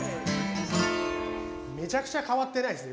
めちゃくちゃ変わってないすね。